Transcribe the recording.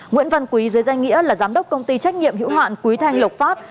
nguyễn văn quý dưới danh nghĩa là giám đốc công ty trách nhiệm hữu hạn quý thanh lộc phát